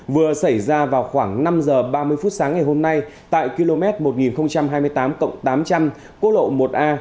vừa xảy ra vào khoảng năm h ba mươi phút sáng ngày hôm nay tại km một nghìn hai mươi tám tám trăm linh quốc lộ một a